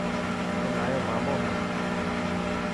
اي مايو مامو هي.